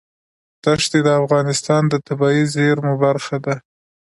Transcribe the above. دښتې د افغانستان د طبیعي زیرمو برخه ده.